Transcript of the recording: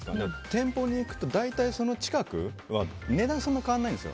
店舗に行くと大体その近くは値段がそんなに変わらないです。